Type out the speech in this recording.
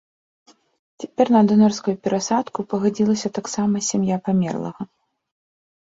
Цяпер на донарскую перасадку пагадзілася таксама сям'я памерлага.